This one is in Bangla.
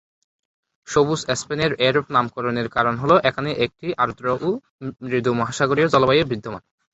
সবুজ স্পেনের এরূপ নামকরণের কারণ হল এখানে একটি আর্দ্র ও মৃদু মহাসাগরীয় জলবায়ু বিদ্যমান।